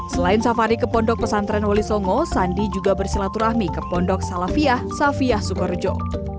selain safari ke pondok pesantren wali songo sandi juga bersilaturahmi ke pondok salafiyah safiyah sukorejo